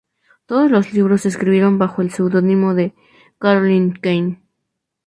Todos los libros se escribieron bajo el seudónimo de Carolyn Keene.